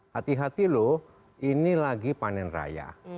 hati hati loh ini lagi panen raya